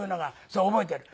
それ覚えている。